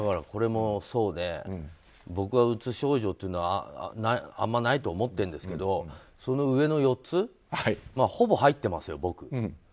これもそうで僕は、うつ症状というのはあんまりないと思ってるんですけどその上の４つほぼ入ってますよ、僕。